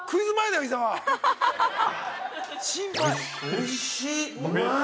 おいしい。